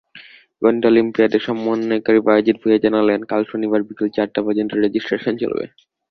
গণিত অলিম্পিয়াডের সমন্বয়কারী বায়েজিদ ভুঁইয়া জানালেন, কাল শনিবার বিকেল চারটা পর্যন্ত রেজিস্ট্রেশন চলবে।